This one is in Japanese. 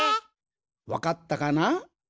わかったかな？